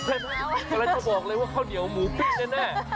กำลังจะบอกเลยว่าข้าวเหนียวหมูปิ้งแน่